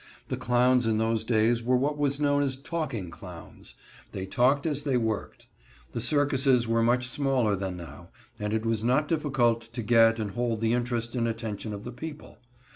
The clowns in those days were what was known as "talking" clowns. They talked as they worked. The circuses were much smaller than now, and it was not difficult to get and hold the interest and attention of the people.